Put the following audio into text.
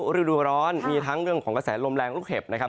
ฤดูร้อนมีทั้งเรื่องของกระแสลมแรงลูกเห็บนะครับ